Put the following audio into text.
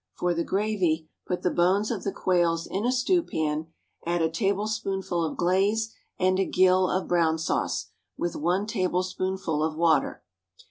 For the gravy, put the bones of the quails in a stewpan, add a tablespoonful of glaze and a gill of brown sauce, with one tablespoonful of water.